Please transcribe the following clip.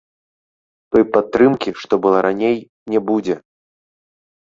Той падтрымкі, што была раней, не будзе!